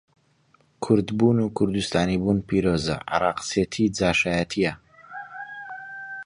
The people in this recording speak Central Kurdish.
کوردبوون و کوردستانی بوون پیرۆزە، عێڕاقچێتی جاشایەتییە.